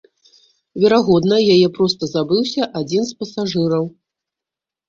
Верагодна, яе проста забыўся адзін з пасажыраў.